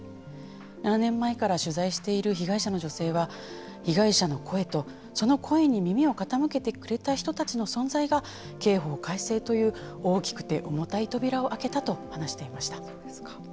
７年前から取材している被害者の女性は被害者の声とその声に応えてくれた人たちが刑法改正という大きくて重たい扉を開けたと話していました。